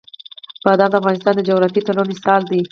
بادام د افغانستان د جغرافیوي تنوع مثال دی.